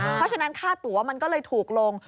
เพราะฉะนั้นค่าตัวมันก็เลยถูกลง